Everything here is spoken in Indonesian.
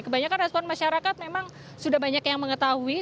kebanyakan respon masyarakat memang sudah banyak yang mengetahui